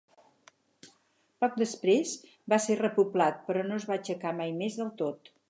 Poc després va ser repoblat, però no es va aixecar mai més del tot.